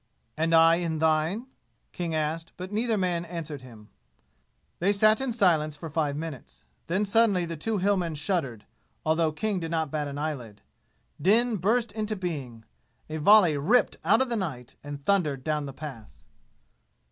"And I in thine?" King asked, but neither man answered him. They sat in silence for five minutes. Then suddenly the two Hillmen shuddered, although King did not bat an eyelid. Din burst into being. A volley ripped out of the night and thundered down the Pass.